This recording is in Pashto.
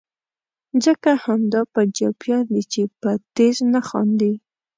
ځکه همدا پنجابیان دي چې په ټیز نه خاندي.